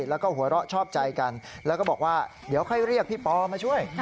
แล้วก็หัวเราะชอบใจกันแล้วก็บอกว่าเดี๋ยวค่อยเรียกพี่ปอมาช่วย